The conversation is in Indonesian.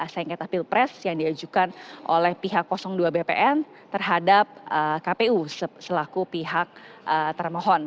sengketa pilpres yang diajukan oleh pihak dua bpn terhadap kpu selaku pihak termohon